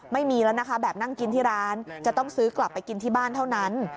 ไม่มีแล้วนะคะแบบนั่งกินที่ร้านจะต้องซื้อกลับไปกินที่บ้านเท่านั้น